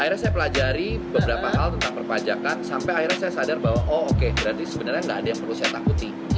akhirnya saya pelajari beberapa hal tentang perpajakan sampai akhirnya saya sadar bahwa oh oke berarti sebenarnya nggak ada yang perlu saya takuti